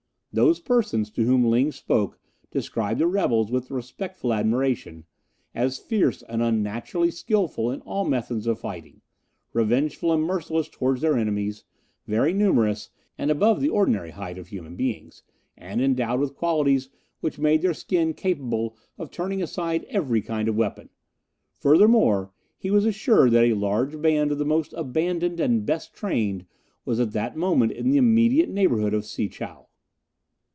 Those persons to whom Ling spoke described the rebels, with respectful admiration, as fierce and unnaturally skilful in all methods of fighting, revengeful and merciless towards their enemies, very numerous and above the ordinary height of human beings, and endowed with qualities which made their skin capable of turning aside every kind of weapon. Furthermore, he was assured that a large band of the most abandoned and best trained was at that moment in the immediate neighbourhood of Si chow.